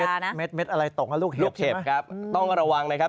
ลายสัปดาห์นะลูกเห็บมั้ยต้องระวังนะครับ